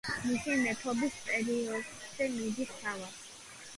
მისი მეფობის პერიოდზე მიდის დავა.